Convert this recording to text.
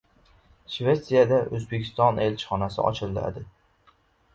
Shvetsiyada O‘zbekiston elchixonasi ochiladi